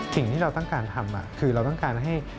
สิ่งที่เราต้องการทำคือเราต้องการให้